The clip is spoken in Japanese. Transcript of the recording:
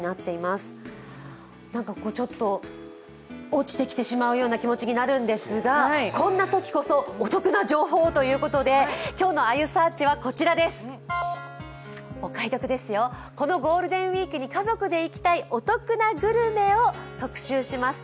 落ちてきてしまうような気持ちになるんですが、こんなときこそお得な情報をということで今日の「あゆサーチ」は、こちらですお買い得ですよ、このゴールデンウイークに家族で行きたいお得なグルメを特集します。